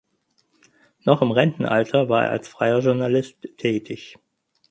Noch im Rentenalter war er als freier Journalist tätig.